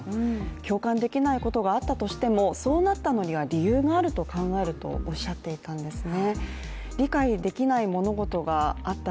共感できないことがあったとしてもそうなったのには理由があると考えるとおっしゃっていたんですね。